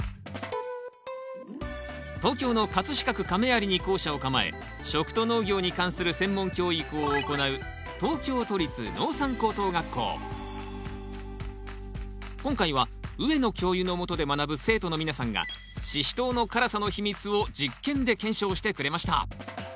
東京の飾区亀有に校舎を構え食と農業に関する専門教育を行う今回は上野教諭のもとで学ぶ生徒の皆さんがシシトウの辛さの秘密を実験で検証してくれました。